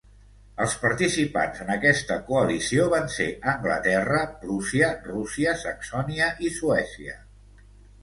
Els participants en aquesta coalició van ser Anglaterra, Prússia, Rússia, Saxònia i Suècia.